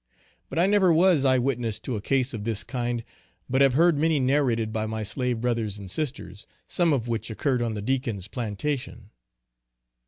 But I never was eye witness to a case of this kind but have heard many narrated by my slave brothers and sisters, some of which occurred on the deacon's plantation.